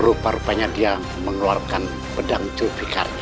rupa rupanya dia mengeluarkan pedang cuplikan